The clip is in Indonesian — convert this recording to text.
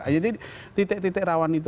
jadi titik titik rawan itu